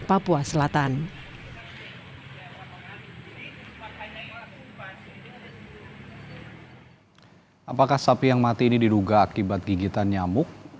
apakah sapi yang mati ini diduga akibat gigitan nyamuk